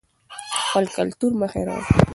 خپل کلتور مه هېروئ.